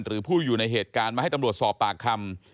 หรือผู้อยู่ในเหตุการณ์มาให้ตำรวจสอบปากคำ